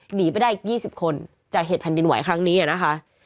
หนีไปได้๒๐คนจากเหตุแผ่นดินไหวครั้งนี้นะคะ